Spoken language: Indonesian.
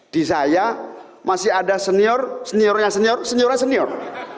di saya masih ada senior seniornya seniornya senior